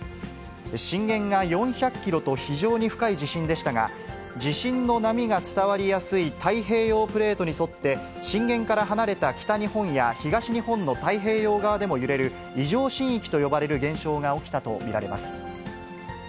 震源が４００キロと非常に深い揺れでしたが、地震の波が伝わりやすい太平洋プレートに沿って、震源から離れた北日本や東日本の太平洋側でも揺れる、異常震域と呼ばれる現象が起きたと見られます。